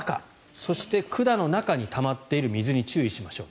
そして、管の中にたまっている水に注意しましょう。